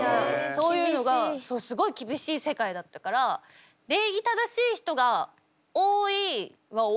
そういうのがすごい厳しい世界だったから礼儀正しい人が多いは多いんですよ。